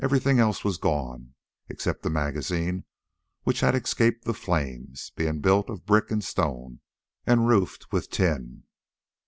Everything else was gone, except the magazine, which had escaped the flames, being built of brick and stone, and roofed with tin.